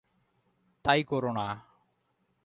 – তাই করো-না।